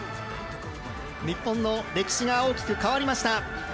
日本の歴史が大きく変わりました。